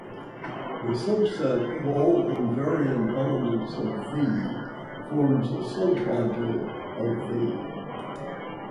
The subset of all invariant elements of "V" forms a submodule of "V".